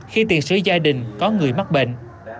khi tiền sử gia đình có người mắc bệnh